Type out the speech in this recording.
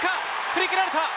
振り切られた！